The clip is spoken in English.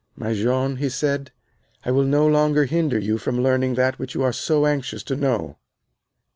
"My Jean," he said, "I will no longer hinder you from learning that which you are so anxious to know."